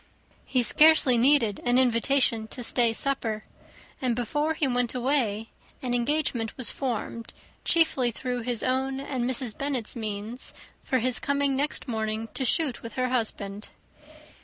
He scarcely needed an invitation to stay supper; and before he went away an engagement was formed, chiefly through his own and Mrs. Bennet's means, for his coming next morning to shoot with her husband.